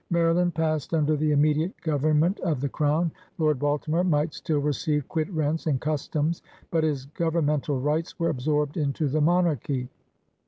Maryland passed under the inunediate govern ment of the Crown. Lord Baltimore might still receive quit rents and customs, but his govern mental rights were absorbed into the monarchy.